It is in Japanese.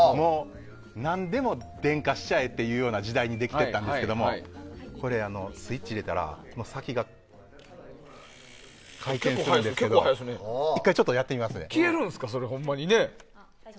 何でも電化しちゃえ！っていうような時代にできたんですけどスイッチ入れたら先が回転するんですけどほんまに消えるんですかね？